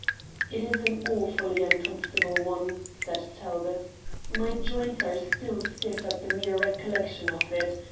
"It is an awfully uncomfortable one," said Talbot. "My joints are still stiff at the mere recollection of it.